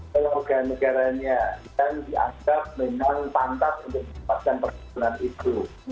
perubahan negaranya dan dianggap memang pantas untuk menyebabkan persimpulan itu